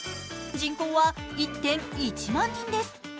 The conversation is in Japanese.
人口は１．１万人です。